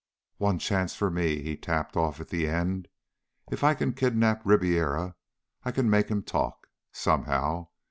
"One chance for me," he tapped off at the end. "_If I can kidnap Ribiera I can make him talk. Somehow.